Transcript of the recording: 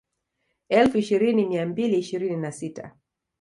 Elfu ishirini mia mbili ishirini na sita